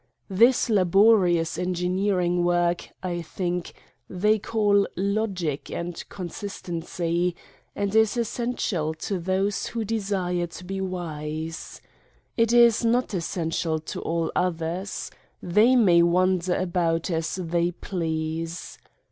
This laborious engineering work, I think, they call logic and con sistency, and is essential to those who desire to ~be wise. It is not essential to all others. They may wander about as they please.